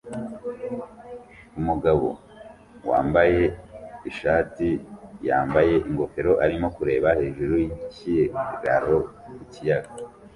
Umugabo wambaye ishati yambaye ingofero arimo kureba hejuru yikiraro ku kiyaga